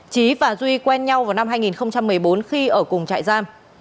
trí và duy quen nhau vào năm hai nghìn một mươi bốn khi ở cùng trại giam